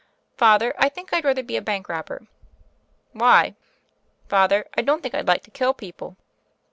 "Father, I think I'd rather be a bank robber." "Why?" "Father, I don't think I'd like to kill people."